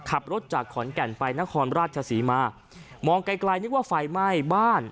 ขับรถจากขอนแก่นไปนครราชศรีมามองไกลไกลนึกว่าไฟไหม้บ้าน